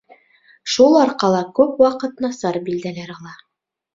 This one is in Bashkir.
Шул арҡала күп ваҡыт насар билдәләр ала.